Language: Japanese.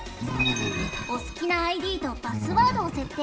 お好きなＩＤとパスワードを設定。